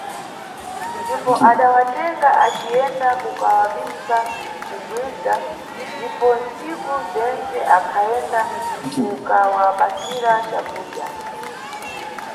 Ndipo adawatenga aciyenda kukawabisa m`cigwindza, ndipo ntsiku zentse akhayenda kukawapasira cakudya.